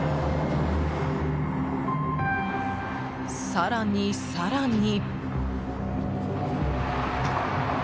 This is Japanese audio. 更に更に。